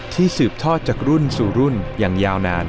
สืบทอดจากรุ่นสู่รุ่นอย่างยาวนาน